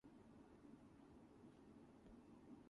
The old tradition still lives on, though.